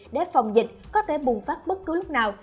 để phòng dịch có thể bùng phát bất cứ lúc nào